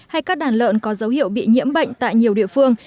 hay các đàn lợn có dấu hiệu bị nhiễm bệnh tại nhiều địa phương